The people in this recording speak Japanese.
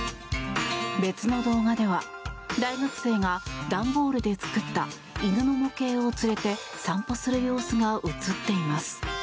別の動画では大学生が段ボールで作った犬の模型を連れて散歩する様子が映っています。